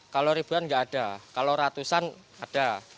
kalau ribuan nggak ada kalau ratusan ada